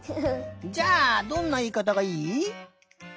じゃあどんないいかたがいい？